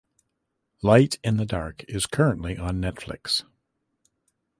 Light In The Dark is currently on Netflix.